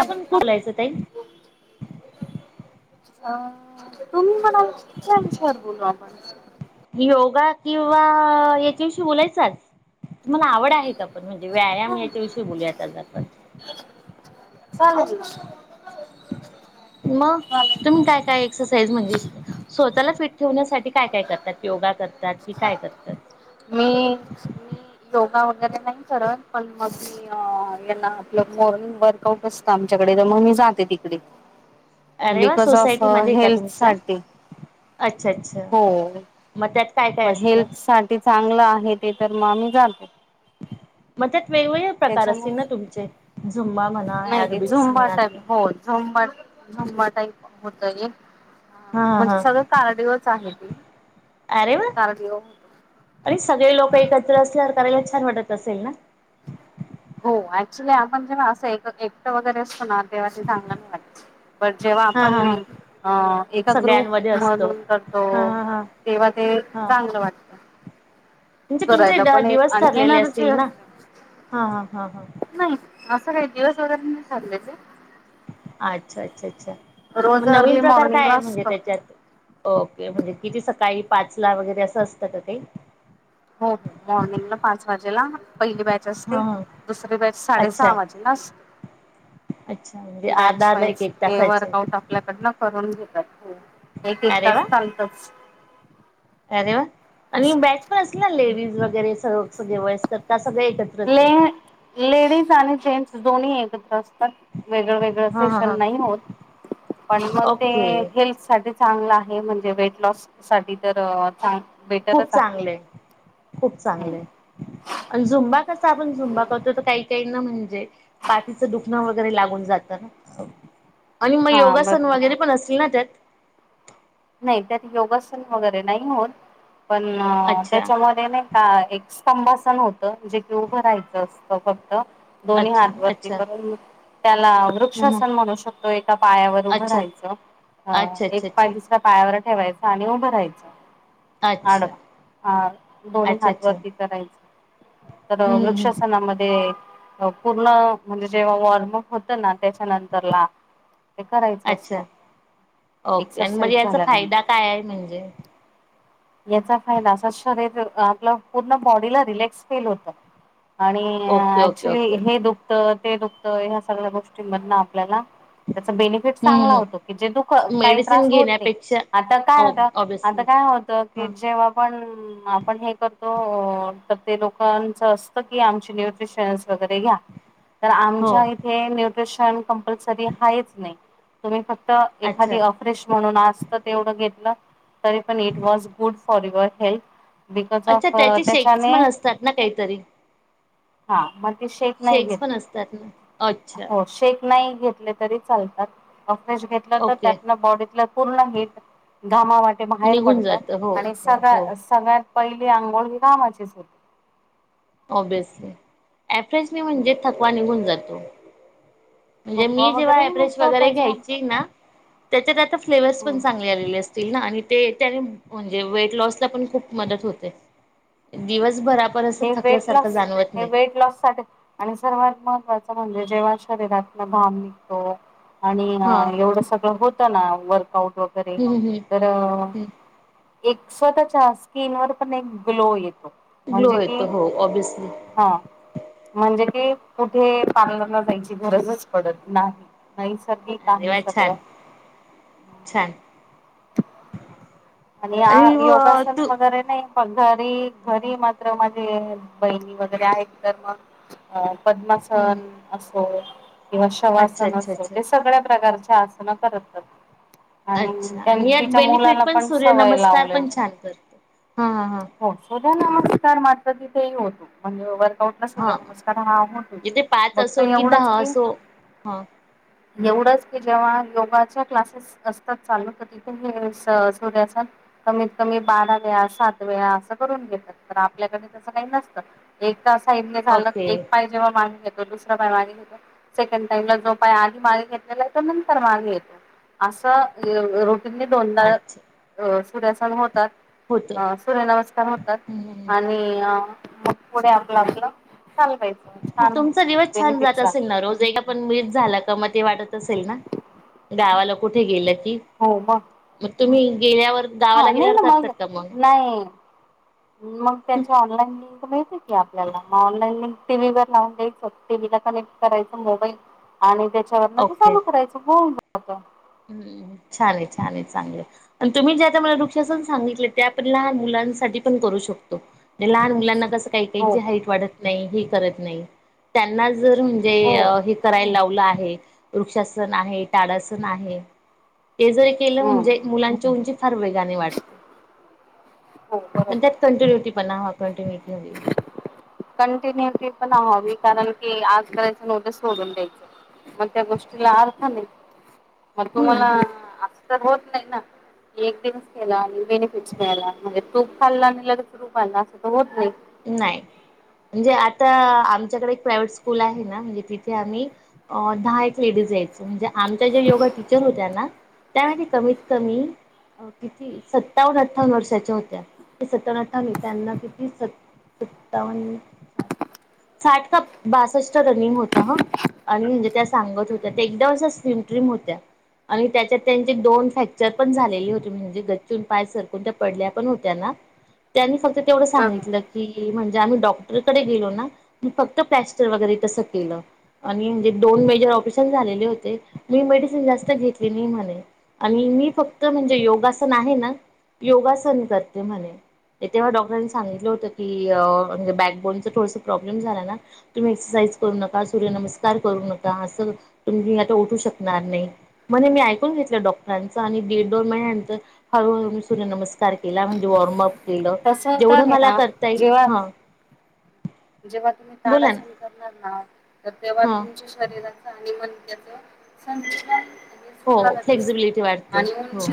आपण बोलायचं ताई. अ तुम्ही र बोलू आपण योगा किंवा याच्याविषयी बोलायच आज. तुम्हाला आवड आहे का. पण म्हणजे व्यायाम हा याच्याविषयी बोलूयात आज आपण. लेज [unintelligible] मग तुम्ही काय चालेल काय एक्सरसाइज म्हणजे स्वतःला फिट ठेवण्यासाठी काय काय करतात. योगा करतात कि काय करतात. मी मी योगा वगैरे नाही करत. पण मग मी यांना आपलं मॉर्निंग वर्कआउट असतं आमच्याकडे तर मग मी जाते तिकडे. अरे वा बिकॉज ऑफ सोसायटी मध्ये का हेल्थ तुमच्या साठी. अच्छा अच्छा हो मग त्यात काय काय मग असतं? हेल्थ साठी चांगलं आहे ते तर मग आम्ही जाते. म ते त्याच्याने झुंबा म्हणा नाही ते अरोबिक्स झुंबा म्हणा टाईप किंवा हो झुंबा झुंबा टाईप काये [unintelligible] हा हा ते अरे वा कार्डिओ अरे सगळे लोक एकत्र असल्यावर करायला छान वाटत असेल ना. हो ऍक्च्युली आपण जेव्हा असं एकट वगैरे असतो ना. तेव्हा ते चांगलं नाही वाटत बट जेव्हा हा आपण हा हा अ एका सगळ्यांमध्ये ग्रुप असतो म्हणून करतो हा हा हा तेव्हा ते चांगलं वाटत. तुमचे तुमचे दिवस ठरलेले येणारचे असतील ना असत हा हा हा हा. नाही असं काही दिवस वगैरे नाही चाललंयच अच्छा अच्छा्. अच्छ मग नवीन अर्ली प्रकार काय मॉर्निंगला आहे म्हणजे असतं. त्याच्यात ओके म्हणजे किती सकाळी पाच ला वगैरे असं असतं का ते? हो हो मॉर्निंगला पाच वाजेला पहिली बॅच हा असते हा दुसरी बॅच साडे अच्छा सहा वाजेला असते. अच्छा म्हणजे अर्धा बॅच अर्धा एक वाईज एक ते तासाचे वर्क आउट आपल्याकडन करून ठी [unintelligible] एक एक अरे तास वा चालतोच. अरे वा. आणि बॅच पण असल ना लेडीज वगैरे सर्व सगळे वयस्कर ता सगळ एकत्रच आहे. ले लेडीज आणि जेन्स दोन्ही एकत्र वेगळ वेगळं हा हा शेशण हा नाही होत पण मग ते ओके हेल्थ साठीच चांगलं आहे म्हणजे वेट लॉस साठी तर चांग खूप बेटरच आहे. चांगले खूप हम्म. चांगले अन झुंबा आपण झुबा करतो तर काही काही म्हणजे पाठीच दुखणं वगैरे लागून जात ना आणि मग हा योगासन बरोबर. वगैरे पण असतील ना त्यात. नाही त्यात योगासन वगैरे नाही होत. पण अच्छा त्याच्यामध्ये नाही का एक स्तंभ त जे की उभं राहायचं असतं फक्त. दोन्ही अच्छा हात वरती अच्छा करून त्याला हम्म वृक्षासन म्हणू शकतो. एका पायावर उभं अच्छा राहायचं अ अच्छा एक अच्छा पाय अच्छा दुसरा त्यावर ठेवायच आणि उभं राहायचं. अच्छा आडवा अ दोन्ही अच्छा हात अच्छा वरती करायच तर हम्म हम्म वृक्षासनामध्ये पूर्ण म्हणजे जेव्हा वॉर्मप होतं ना त्याच्या नंतरला ते करायचं असतं एक्सरसाईज. त्याचा फायदा काय आहे. म्हणजे? याचा फायदा असा शरीर आपलं पूर्ण बॉडीला रिलॅक्स फील होत. आणि ओके ओके ऍक्च्युली ओके हे दुखत ते दुखतं ह्या सगळ्या गोष्टींमधन आपल्याला त्याचा बेनिफिट हम्म चांगला हम्म होतो की जे तू काही मेडिसिन त्रास होत नाही घेण्यापेक्षा आता काय होत ऑब आता ऑब्विसली काय होता हा जेव्हा पण आपण हे करतो ते लोकांचं असतं की आमचे न्यूट्रिशन्स वैगरे घ्या तर हो आमच्या इथे प्रशान कंपल्सरी हायच नाही. तुमी पण - त एखादी अच्छा अफ्रेश म्हणून आसतं तेवढं घेतलं. तरी पण it was - for your help - अच्छा त्याचे शेक्स पण असतात ना काईतरी - हा मद - शेक नाही घेत असतात ना अच्छा हो शेक नाई - घेतले तरी चालतात. [unintelligible] फ्रेश घेतलं तर ओके त्यातनं बॉडीतलं पूर्ण हिट घामावाटे भाएर निघून पडतं. जातं हो आणि हो हो सगळं सगळ्यात - पहिले अंघोळ कामाचेच होत. ओबेस - आफेसने म्हणजे थकवा निघून जातो. ओ - म्हणजे थकवा मी जेव्हा वगैरेही एव्हरेज निघतो वगरे त्याच्या घ्यायची ना, त्याच्यात आता फ्लेवर्स पण चांगले आलेली असत. दिल ना आणि ते त्यानी म्हणजे वेट लॉस ला पण खूप मदत होते दिवसभर आपण - हे वेट लॉस हे वेट लॉस साटी आणि सर्वात महत्त्वाचं - ह म्हणजे जेव्हा शरीरातनं घाम निघतो - आणि हा येवढं सगळं होतं ना - वर्कआउट - वगरे हम्म हम्म तर अ अ हम्म - एक स्वतःच्या स्किनवर पण एक ग्लो येतो. ग्लो म्हणजे कि येतो हो ऑब्वियसली. ते कुठे पार्लरला जायची गरजच पडत नाही, नाहीच. अरे वा! छान छान. आणि हा अ, योगासन तू वगरे नाई. [unintelligible] घरी घरी मात्र माझे बहिणी वगरे आहेत तर मग - हम्म. पद्मासन असो - किंवा अच्छा शवासन अच्छा असो अच्छा ते सगळ्या प्रकारचं - [unintelligible] आणि अच्छा - आणि यात बेनिफिट पण सूर्य नमस्कार पण छान करतो. हा हा हा. हं नमस्कार मात्र तिथेही होतो [unintelligible] [unintelligible] सूर्य हा नमस्कार हे नाव मोठ्ठ हाय. इथे पाच फक्त असो कि एवढच दहा कीं.... असो हा एवढंच की, जेव्हा योगाच्या क्लासेस असतात चालू. तर, ती [unintelligible] सूर्यसन कमीतकमी बारा वेळा, सात वेळा, असं करून घेतात पन आपल्याकडे तसं काय नसत. तरी तर असा यज्ञ् झाला ओके कीं एक पाय जेव्हा मागे येतो तर दुसरा पाय मागे घेतो. सेकंड टाईमला जो पाय आदी मागे घेतलेला हाय तो नंतर मागे येतो. असं ये..... तर हे दोनदा अच्छा रोज. सूर्यासन होतात. होत हं सूर्यनमस्कार होतात. आनी... अ. मग पुढे आपल आपल. तुमचा दिवस छान जात असेल आहे ना रोज. एकदा पन मिनिट झाला कां म ते वाटत असेल ना! गावा ला कुठे गेलेत. हो. म. तुम्ही. गेल्यावर हा, गावाला नाही गेल्यावर ना मग? करतात का नाही. मग त्याच्या ऑनलाईन लिंक मिळतील कीं आपल्याला. म ऑनलाईन मी टी व्ही वर लावून द्यायचं. टीव्ही ला कनेक्ट करायच. मोबाईल आणि त्याची हा म ते चालू करायचं हो. हो. हं छान ये छान ये. चांगल ये आनी तुम्ही ज्या त्या मला वृक्षसन सांगितले ते आपन लहाना.. मुलांसाठी पन करू शकतो. ते लहान मुलांना कस काय हो त्यांची हाईट वाढत नाही. ते करत नाही. त्यांना जर म्हनजे, हो हे करायला लावल आहे, वृक्षासन आहे. ताडाच आहे. ते जरी केलं हम्म म्हणजे, मुलांची उंची फार वेगाने वाढते. हो बरोबर पण त्यात कॉनिनुटी पणा हवा. कंटिन्युटी हवी. कंटिन्युटी पण हवी. कारण कीं आज करायचं आनी उद्या सोडून द्यायचं. मग त्या गोष्टीला अर्थ नाही. मग हम्म तुम्हाला... तर होत नाही ना! एक दिवस केला आनी बेनिफिट्स मिळाला. म्हणजे तूप खाल्ला आनी लगेच रूप आला असं तर होत नाही. नाय. म्हणजे आता आमच्याकडे एक प्रायव्हेट स्कूल आहे ना, म्हणजे तिथे आम्ही अ दहा एक लेडीज. यायचो आमच्या ज्या योगा टीचर होत्या ना,.. त्या नाय कां कमीत कमी, अ किती? सत्तावन - आठ्ठा वन वर्षाच्या होत्या. सत्तावन - आठ्ठवन नाही त्यांना किती सत सत्तावन्न साठ का बासष्ट रनिंग होत ह आणि म्हणजे त्या सांगत होत्या चालत बषष्ठ रनिंग सांगत होत्या ह त्या एकदमश स््रीम ट्रीम होत्या आणि त्याच्यात त्यांचे दोन फ्रॅक्चर पण झालेली होते म्हणे गच्चून पाय सरकून त्या पडल्या पण होत्या ना त्यानी फक्त- तेवढं हा हा सांगितलं- म्हणजे आम्ही डॉक्टरकडे गेलो ना मी फक्त प्लॅस्टर वगैरे तसं केलं आणि म्हणजे दोन मेजर ऑपरेशन झालेले होते मी मेडिसिन जास्त घेतले नाही म्हणे आणि मी फक्त म्हणजे योगासन आहे ना योगासन करते म्हणे तेव्हा डॉक्टरांनी सांगितलं होत - की म्हणजे बॅकबोनचं थोडस प्रॉब्लेम झालाना तुम्ही एक्सरसाईज करू नका सूर्यनमस्कार करू नका असं तुम्ही आता उठू शकणार नाही म्हणे मी ऐकून घेतलं डॉक्टरांच आणि दीड दोन महिन्यानंतर हळूहळू सूर्यनमस्कार केला मी म्हणजे वॉर्मअप- केलं तसं तर जेवढं आहे मला' ना तण ' ये जेव्हा हा - जेव्हा तुम्ही ताडासणी करणार ना- तर तेव्हा हा तुमच्या शरीराचं- आणि मग त्याचं संतुष- हो फ्लेक्सिबिलिटी वाढते हो. उंची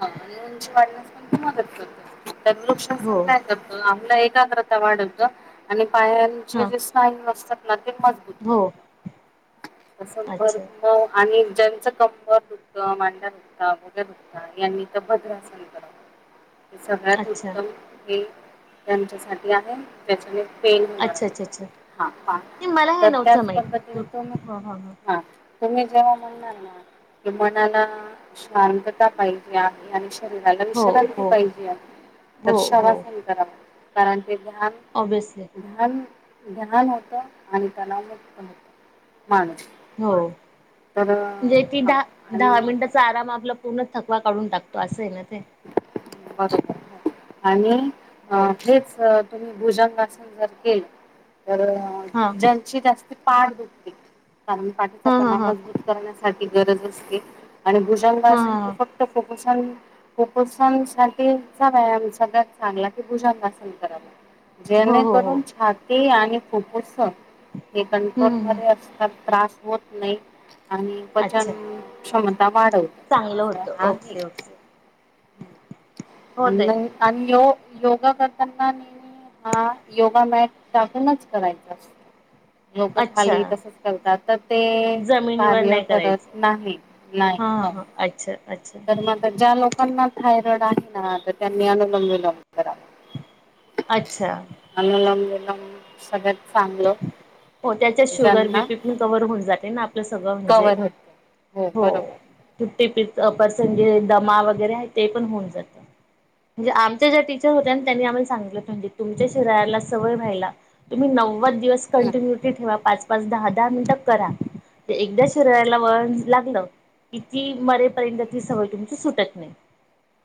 हा उंची वाढण्यास पण त मदत करतात. तर लुकक्ष हो काय कर ना - एला एककाग्रता वाढत का - आणि पायांचे हां जे सनायू नसतात. ते मजबूत कर. हो तसं भर अच्छा म आणि- ज्यांचं कंबर दुखत मांड्या दुखता गोग्या दुखता यांनी तर भद्रासन करावं. हे सगळ्यात अच्छा उत्तम हे- त्यांच्यासाठी आहे प्रचले- पेन होणार अच्छा आहे अच्छा अच्छा हा नाही मला हे तर त्याच नव्हतं माहीत ह पद्धतीने- ह ह हा तुम्ही जेव्हा म्हणणार ना मनाला शांतता पाहिजे आहे आणि- लं हो विश्रांती हो पाहिजे हो हो दर्शवासन कराव- 'कारण' ते धान ऑब्विसली धान- जध्याान होतं आणि त्यालाव मुक्त होतं. माणूस हो तर म्हणजे ती हां दहा दहा आणि मिनिटाचा आराम आपला- पूर्ण थकवा काढून टाकतो असं आहे न- ते- 'बाथरूम ' आणि - अ हो तेच सर - तुम्ही भुजंगासन जर केल तर हा जलचीत असत पाठ दुखते कारण पाठीचा हा हा कणा हा मजबूत करण्यास ती गरज असते. आणि हा भुजंगासन हे हा फक्त पसंत कुपोषण साठीचा व्यायाम सगळ्यात चांगला भुजंगासन कराव. हो हो हो जेणेकरून छाती आणि ते फुफ्फुस हे हम्म कंट्रोल हम्म हम्म मध्ये असतात. त्रास होत नई आणि अच्छा पचनक्षम टमाडो चांगलं असं होतं आहे. ओके ओके [inaudible] हो ताई [unintelligible] योगा करताना नेहमी हा योगा मॅट टाकूनच करायचा असतो. लोक अच्छा खाली तसच करतात तर ते जमिनीवर कार्य नाही करत करायचं नाही नाय हा हा हो. हा अच्छा अच्छा तर म आता ज्या लोका त्यांना थायरॉइड आहे ना तर त्यांनी अनुलंब विलंब कराव. अच्छा द सगत हो त्यांच्या शुगर बीपी पण कव्हर होऊन जातय ना आपलं सगळं म्हणजे कवर होते हो बरोबर [unintelligible] म्हणजे दमा वैगरे आहे ते पण होऊन जात. म्हणजे आमच्या ज्या टिचर होत्या, त्यांनी आम्हाला सांगितल होत तुमच्या शरीराला सवय व्हायला तुम्ही नऊ दिवस हम्म कन्टिन्यूटी ठेवा पाच पाच दहा दहा मिनिट करा, एकदा शरीराला वळण लागलं की ती मरेपर्यंत ती सवय तुमची सुटत नाही.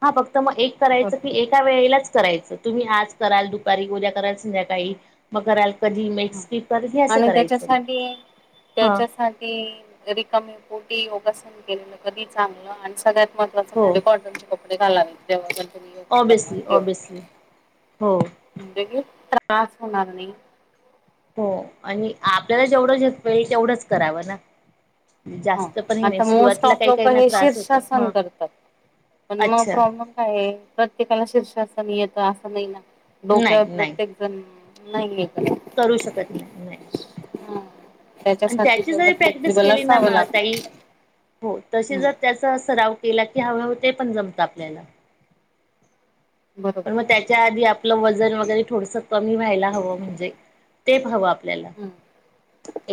हा फक्त तर म एक करायचं की बरोबर एका वेळेलाच करायचंच तुम्ही आज कराल दुपारी उद्या कराल संध्याकाळी मग कराल कधी मेक स्किप कर हे असं आणि करायचं त्याच्यासाठीय हा त्याच्यासाठी रिकामे पोटी तसही केलेलं कधी चांगलं आणि सगळ्यात महत्वाचे म्हंजे कॉटन चे कप कपडे घालावेत जेव्हा तू ऑब्यसली ऑब्यसली हो म्हणजे की त्रास होणार नाही. हो आणि आपल्याला जेवढं झेपतंय तेवढंच करावं ना हा जास्त पण हे नाही आता मोस्ट सुरुवातीला ऑफ काही काही लोक ना हे त्रास होतो शीर्षासन हा करतात पण मग अच्छा प्रॉब्लेम काय आहे प्रत्येकाला शीर्षासन सन येत असं नाही ना डोक्यावर नाही नाही प्रत्येक जण नाही नाही का करू शकत नाही नाही हा आणि त्याची जरी प्रॅक्टिस केली ना म लागतं तई हो तशी जर हम्म त्याचा सराव केला हळूहळू ते पण जमत आपल्याला पण बरोबर मग त्याच्या आधी आप आपलं वजन वगैरे थोडसकतो मी व्हायला हवं म्हणजे तेच हवं आप आपल्याला हम्म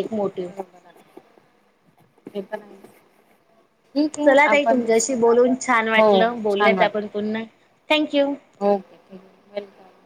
एक मोटिव बरोबर आहे [unintelligible] आहे चला तई आपण स तुमच्याशी बोलून छान हो वाटलं छान बोलूयात आपण वाटलं पुन्हा थँक्यू ओके ठीक वेलकम